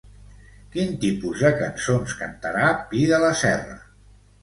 Quin tipus de cançons cantarà Pi de la Serra?